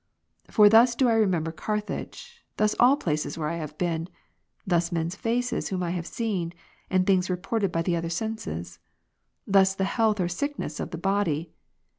For thus do I remember Carthage, thus all places where I have been, thus men's faces whom I have seen, and things reported by the other senses ; thus the health or sickness of the body.